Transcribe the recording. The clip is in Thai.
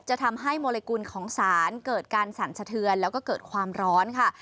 จะทำให้โมลิกุลของสารเกิดการสั่นสะเทือนแล้วก็เกิดความร้อนค่ะ